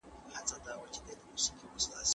ګاونډی هیواد پټ قرارداد نه عملي کوي.